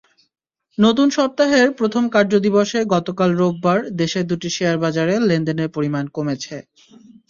নতুন সপ্তাহের প্রথম কার্যদিবসে গতকাল রোববার দেশের দুটি শেয়ারবাজারে লেনদেনের পরিমাণ কমেছে।